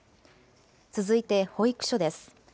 続いて保育所です。